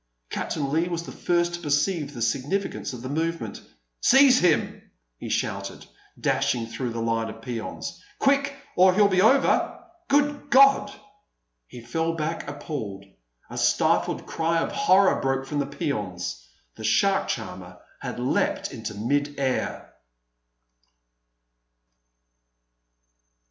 Captain Leigh was the first to perceive the significance of the movement. "Seize him!" he shouted, dashing through the line of peons; "quick, or he'll be over!... Good God!" He fell back appalled. A stifled cry of horror broke from the peons. The shark charmer had leapt into mid air.